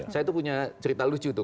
saya tuh punya cerita lucu tuh